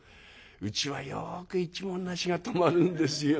うちはよく一文無しが泊まるんですよ。